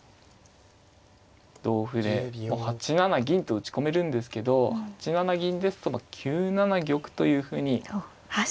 同歩で８七銀と打ち込めるんですけど８七銀ですと９七玉というふうに。